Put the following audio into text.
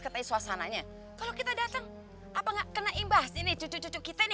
katanya suasananya kalau kita datang apa enggak kena imbas ini cucu cucu kita ini